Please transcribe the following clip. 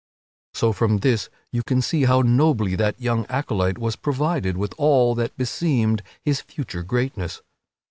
So from this you can see how nobly that young acolyte was provided with all that beseemed his future greatness.